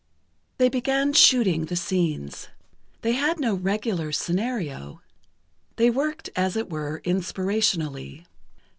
They began "shooting" the scenes. They had no regular scenario. They worked, as it were, inspirationally.